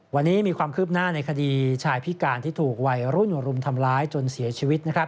วันนี้มีความคืบหน้าในคดีชายพิการที่ถูกวัยรุ่นรุมทำร้ายจนเสียชีวิตนะครับ